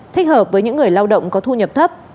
thích hợp với những người lao động có thu nhập thấp